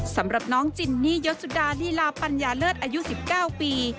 สำหรับน้องจินนี่ยศสุดาลีลาปัญญาเลิศอายุ๑๙ปี